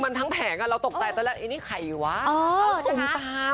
มันทั้งแผงอะเราตกใจตอนแรกไอ้นี่ใครวะตูมตาม